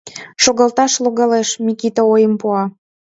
— Шогалташ логалеш, — Микита ойым пуа.